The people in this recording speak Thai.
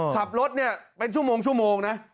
ขับรถเนี่ยเป็นชั่วโมงนะ